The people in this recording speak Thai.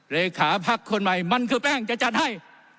เลขาพักคนใหม่มันคือแป้งจะจัดให้